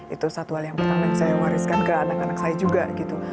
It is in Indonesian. itu satu hal yang pertama yang saya wariskan ke anak anak saya juga gitu